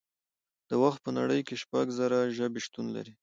دا وخت په نړۍ کې شپږ زره ژبې شتون لري